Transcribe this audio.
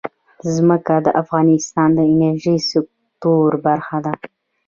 ځمکه د افغانستان د انرژۍ سکتور برخه ده.